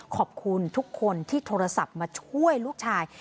ขอบคุณทุกคนที่โทรศัพท์มาช่วยลูกชาย